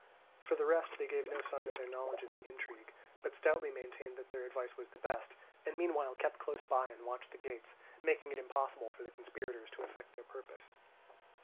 For the rest, they gave no signs of their knowledge of the intrigue, but stoutly maintained that their advice was the best, and meanwhile kept close by and watched the gates, making it impossible for the conspirators to effect their purpose.